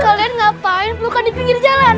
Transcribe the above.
kalian ngapain pelukan di pinggir jalan